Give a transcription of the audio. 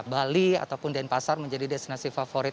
bali ataupun denpasar menjadi destinasi favorit